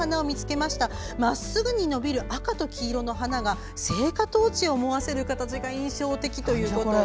まっすぐに伸びる赤と黄色の花が聖火トーチを思わせる形が印象的ということで。